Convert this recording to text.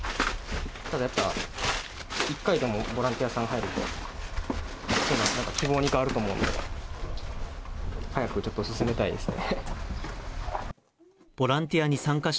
ただ、やっぱ一回でもボランティアさん入ると、希望に変わると思うので、早くちょっと進めたいですね。